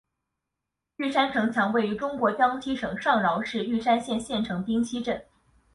玉山城墙位于中国江西省上饶市玉山县县城冰溪镇。